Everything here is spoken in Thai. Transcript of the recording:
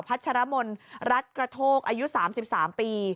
ัชรมนรัฐกระโทกอายุ๓๓ปี